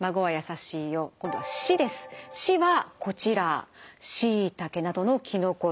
「し」はこちらしいたけなどのきのこ類。